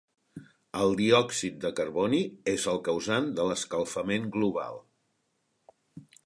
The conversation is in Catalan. El diòxid de carboni és el causant de l'escalfament global.